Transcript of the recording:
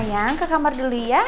sayang ke kamar dulu ya